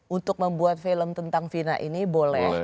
untuk membuat film tentang vina ini boleh